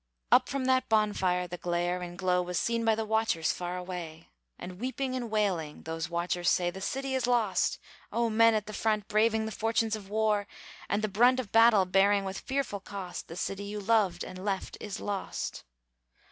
Up from that bonfire the glare and glow Was seen by the watchers far away, And weeping and wailing those watchers say, "The city is lost! O men at the front, Braving the fortunes of war, and the brunt Of battle bearing with fearful cost, The city you loved and left is lost!"